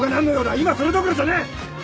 今それどころじゃねえ！